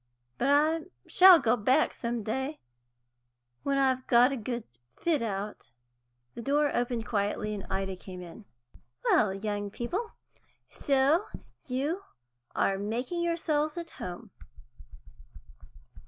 But I shall go back some day, when I've got a good fit out." The door opened quietly, and Ida came in. "Well, young people, so you are making yourselves at home."